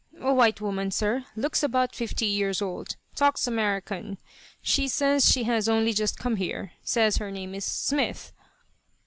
"A white woman, sir. Looks about fifty years old. Talks American. Says she has only just come here. Says her name is Smith."